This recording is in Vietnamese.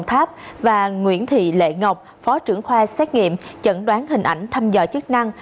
thị lệ ngọc phó trưởng khoa xét nghiệm chẩn đoán hình ảnh thăm dò chức năng